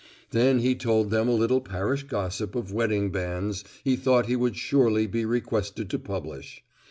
Then he told them a little parish gossip of wedding banns he thought he would shortly be requested to publish.